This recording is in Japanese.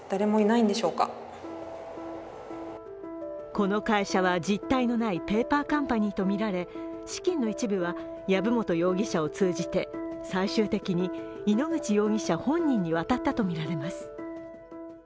この会社は実体のないペーパーカンパニーとみられ資金の一部は籔本容疑者を通じて最終的に井ノ口容疑者本人に渡ったとみられます。